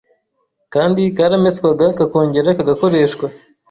kandi karameswaga kakongera kagakoreshwa.